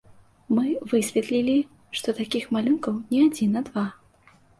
Мы высветлілі, што такіх малюнкаў не адзін, а два.